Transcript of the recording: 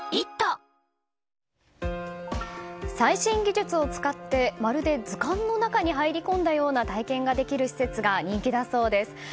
最新技術を使って、まるで図鑑の中に入り込んだような体験ができる施設が人気だそうです。